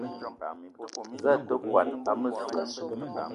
Za a te kwuan a messong?